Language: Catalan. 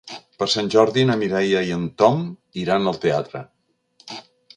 Per Sant Jordi na Mireia i en Tom iran al teatre.